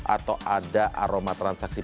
atau ada aroma transaksi